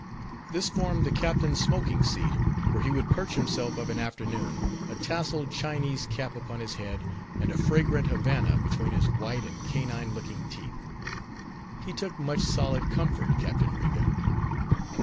This formed the captain's smoking seat, where he would perch himself of an afternoon, a tasseled Chinese cap upon his head, and a fragrant Havanna between his white and canine looking teeth. He took much solid comfort, Captain Riga.